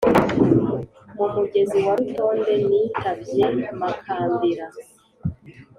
mu mugezi wa rutonde nitabye makambira